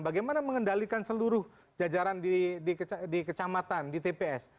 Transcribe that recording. bagaimana mengendalikan seluruh jajaran di kecamatan di tps